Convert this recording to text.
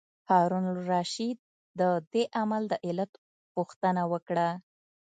هارون الرشید د دې عمل د علت پوښتنه وکړه.